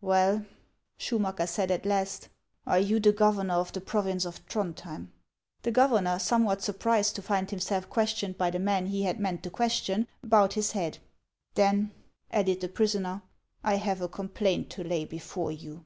" Well," Schumacker said at last, " are you the governor of the province of Throndhjem ?" The governor, somewhat surprised to find himself ques tioned by the man he had meant to question, bowed his head. " Then," added the prisoner, " I have a complaint to lay before you."